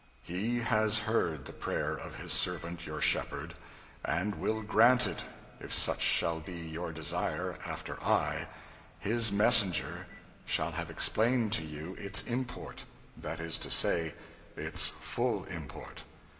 "He has heard the prayer of His servant your shepherd, and will grant it if such shall be your desire after I, His messenger, shall have explained to you its import – that is to say, its full import.